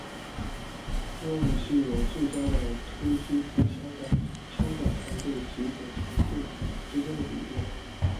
这种武器有最佳的突击步枪的枪管长度及总长度之间的比例。